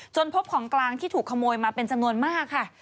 พบของกลางที่ถูกขโมยมาเป็นจำนวนมากค่ะ